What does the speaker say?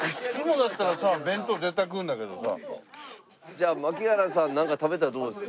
じゃあ槙原さんなんか食べたらどうですか？